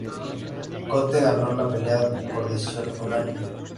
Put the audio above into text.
Cote ganó la pelea por decisión unánime.